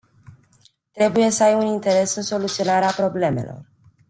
Trebuie să ai un interes în soluționarea problemelor.